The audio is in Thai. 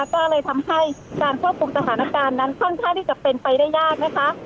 ก็เลยทำให้การควบคุกภูมิฐานการณ์นั้นป้องกันที่เป็นไปได้ยากนะคะ